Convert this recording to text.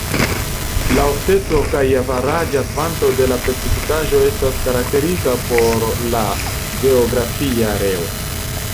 La ofteco kaj averaĝa kvanto de la precipitaĵo estas karakteriza por la geografia areo.